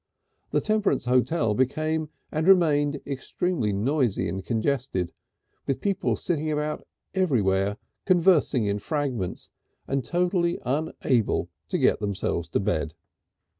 The Temperance Hotel became and remained extremely noisy and congested, with people sitting about anywhere, conversing in fragments and totally unable to get themselves to bed.